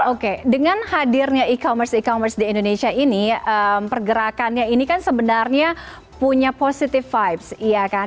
oke dengan hadirnya e commerce e commerce di indonesia ini pergerakannya ini kan sebenarnya punya positive vibes